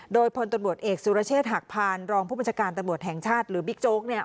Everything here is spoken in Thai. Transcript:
โดยพลตำรวจเอกสุรเชษฐ์หักพานรองผู้บัญชาการตำรวจแห่งชาติหรือบิ๊กโจ๊กเนี่ย